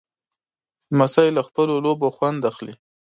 لمسی له خپلو لوبو خوند اخلي.